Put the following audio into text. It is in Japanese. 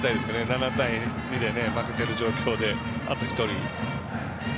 ７対２で、いける状況であと１人。